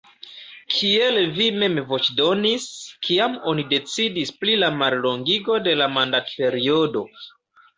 Kiel vi mem voĉdonis, kiam oni decidis pri la mallongigo de la mandatperiodo?